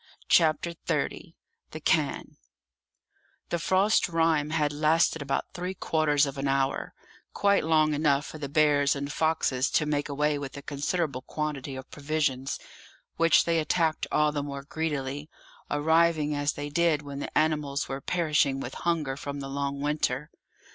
CHAPTER XXX THE CAIRN The frost rime had lasted about three quarters of an hour; quite long enough for the bears and foxes to make away with a considerable quantity of provisions which they attacked all the more greedily, arriving, as they did, when the animals were perishing with hunger from the long winter.